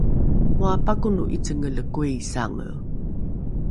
moa pakono ’icengele koisange